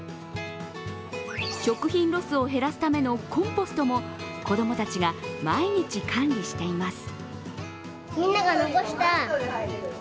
食品ロスを減らすためのコンポストも子供たちが毎日管理しています。